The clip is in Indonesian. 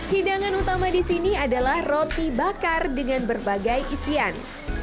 hidangan utama di sini adalah roti bakar dengan berbagai isian